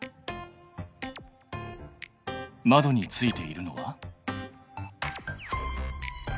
窓についているのは？